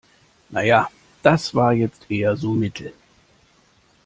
Na ja, das war jetzt eher so mittel.